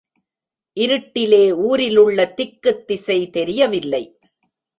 இருட்டிலே ஊரிலுள்ள திக்குத் திசை தெரியவில்லை.